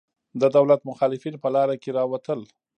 د دولت مخالفین په لاره کې راوتل.